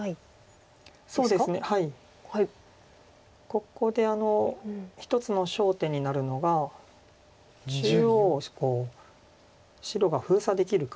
ここで一つの焦点になるのが中央を白が封鎖できるか。